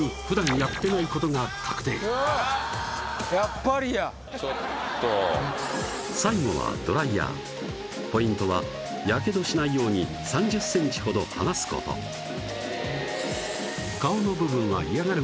やっぱりやちょっと最後はドライヤーポイントはヤケドしないように３０ｃｍほど離すこと顔の部分は嫌がる